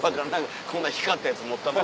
こんな光ったやつ持ったまま。